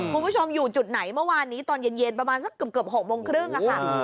คุณผู้ชมอยู่จุดไหนเมื่อวานนี้ตอนเย็นประมาณสักเกือบ๖โมงครึ่งค่ะ